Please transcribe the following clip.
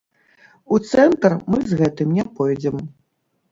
У цэнтр мы з гэтым не пойдзем.